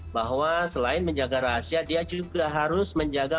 bahwa selain menjaga rahasia dia juga harus menjaga